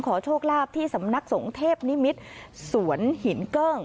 โชคลาภที่สำนักสงฆ์เทพนิมิตรสวนหินเกิ้ง